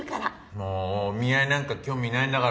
もうお見合いなんか興味ないんだから俺は。